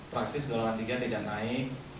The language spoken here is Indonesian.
praktis golongan tiga tidak naik